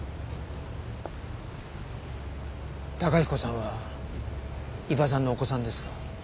崇彦さんは伊庭さんのお子さんですか？